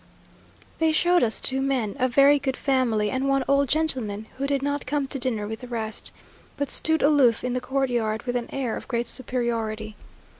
They showed us two men, of very good family, and one old gentleman who did not come to dinner with the rest, but stood aloof, in the courtyard, with an air of great superiority.